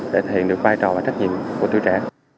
để thực hiện được vai trò và trách nhiệm của trẻ trẻ